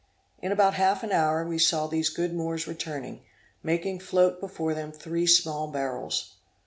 In about half an hour we saw these good Moors returning, making float before them three small barrels.